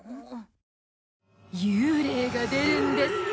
幽霊が出るんですって！